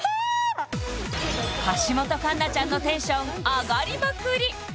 橋本環奈ちゃんのテンション上がりまくり！